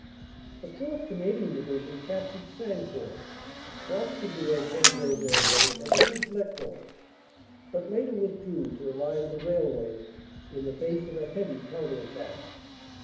The 4th. Canadian Division captured Sancourt, crossed the Douai Cambrai Railway and entered Blecourt, but later withdrew to the line of the railway in the face of a heavy counter attack.